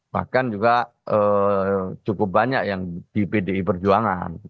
bahkan juga cukup banyak yang di pdi perjuangan